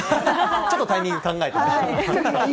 ちょっとタイミングを考えてね。